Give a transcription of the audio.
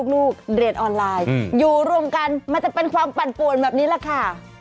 ลูกเรียนออนไลน์อยู่รวมกันมันจะเป็นความปั่นป่วนแบบนี้แหละค่ะ